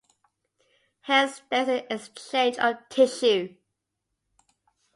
Hence, there is an "exchange" of tissue.